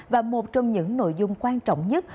và một trong những nội dung quan trọng nhất